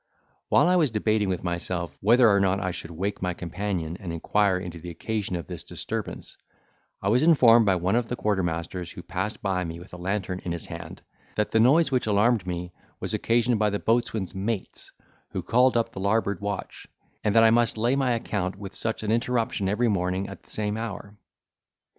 While I was debating with myself, whether or not I should wake my companion and inquire into the occasion of this disturbance, I was informed by one of the quartermasters who passed by me with a lantern in his hand, that the noise which alarmed me was occasioned by the boatswain's mates who called up the larboard watch, and that I must lay my account with such an interruption every morning at the same hour.